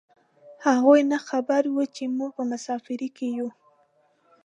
هغوی نه خبر و چې موږ په مسافرۍ کې یو.